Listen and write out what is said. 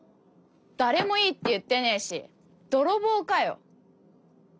誰もいいって言ってねぇし泥棒かよ？